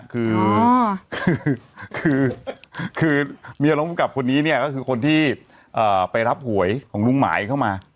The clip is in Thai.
คือคือเมียร้องภูมิกับคนนี้เนี่ยก็คือคนที่ไปรับหวยของลุงหมายเข้ามา